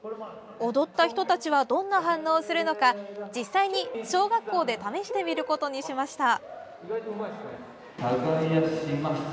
踊った人たちはどんな反応をするのか実際に小学校で試してみることにしました。